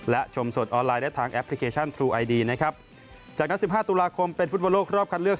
และชมสดออนไลน์ได้ทางแอปพลิเคชันทรูไอดีนะครับจากนั้นสิบห้าตุลาคมเป็นฟุตบอลโลกรอบคัดเลือก